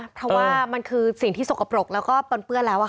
เพราะว่ามันคือสิ่งที่สกปรกแล้วก็ปนเปื้อนแล้ว